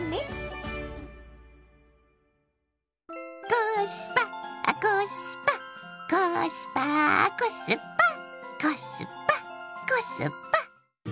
コースパコスパコスパーコスパコスパコスパ。